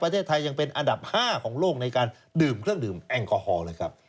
ประเทศไทยยังเป็นอันดับ๕ของโลกในการดื่มเครื่องดื่มแอลกอฮอล์เลยครับ